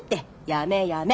やめやめ。